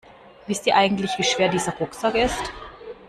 Wisst ihr eigentlich, wie schwer dieser Rucksack ist?